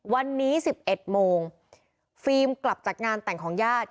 วันนี้๑๑โมงฟิล์มกลับจากงานแต่งของญาติ